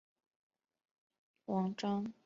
王章枯是清朝贡生。